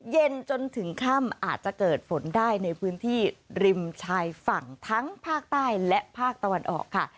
เย็นจนถึงค่ำอาจจะเกิดฝนได้ในพื้นที่ริมชายฝั่งทั้งภาคใต้และภาคตะวันออกค่ะ